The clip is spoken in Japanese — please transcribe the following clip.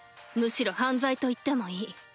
むしろ犯罪と言ってもいい。